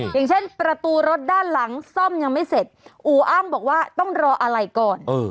อย่างเช่นประตูรถด้านหลังซ่อมยังไม่เสร็จอู่อ้างบอกว่าต้องรออะไรก่อน